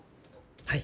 はい。